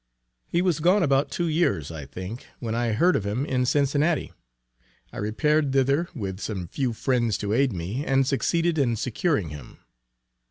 He was gone about two years I think, when I heard of him in Cincinnati; I repaired thither, with some few friends to aid me, and succeeded in securing him.